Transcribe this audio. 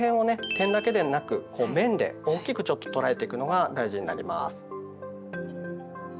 点だけでなく面で大きくちょっと捉えていくのが大事になります。